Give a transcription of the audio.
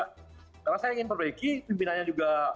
karena saya ingin perbaiki pimpinannya juga